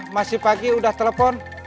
masih pagi udah telepon